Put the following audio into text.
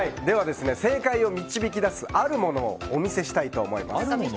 正解を導き出すあるものをお見せしたいと思います。